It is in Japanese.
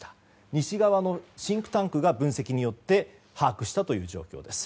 西側のシンクタンクが分析によって把握したという状況です。